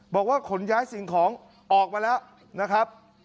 บอกว่าขนย้ายสิ่งของออกมาแล้วนะครับ